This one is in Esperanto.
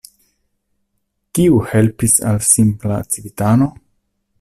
Kiu helpis al simpla civitano?